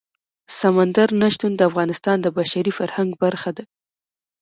سمندر نه شتون د افغانستان د بشري فرهنګ برخه ده.